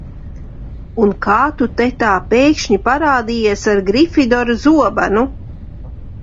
Un kā tu te tā pēkšņi parādījies ar Grifidora zobenu?